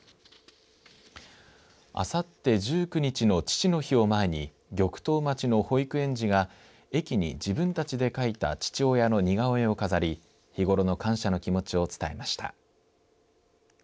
あさって１９日の父の日を前に玉東町の保育園児が駅に自分たちで描いた父親の似顔絵を飾り日頃の感謝の気持ちを伝えました。